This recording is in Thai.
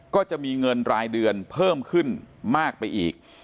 ก็จะมีเงินรายเดือนเพิ่มขึ้นมากไปอีก